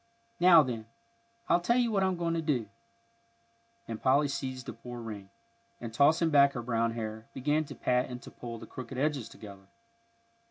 "Now, then, I'll tell you what I'm going to do," and Polly seized the poor ring, and, tossing back her brown hair, began to pat and to pull the crooked edges together.